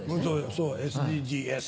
そうＳＤＧｓ。